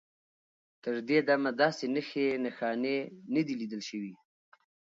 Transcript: تر دې دمه داسې نښې نښانې نه دي لیدل شوي.